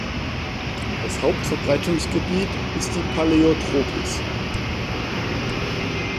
Das Hauptverbreitungsgebiet ist die Paläotropis.